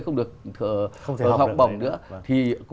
không được học